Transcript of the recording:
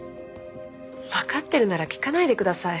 わかってるなら聞かないでください。